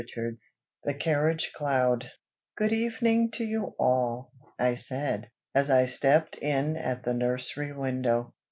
CHAPTER X. THE CARRIAGE CLOUD. "GOOD evening to you all!" I said, as I stepped in at the nursery window.